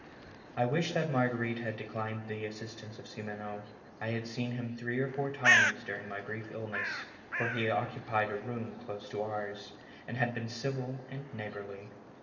I wished that Marguerite had declined the assistance of Simoneau. I had seen him three or four times during my brief illness, for he oc cupied a room close to ours, and had been civil and neighborly.